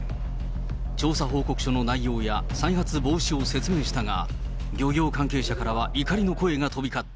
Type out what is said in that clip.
調査報告書の内容や再発防止を説明したが、漁業関係者からは怒りの声が飛び交った。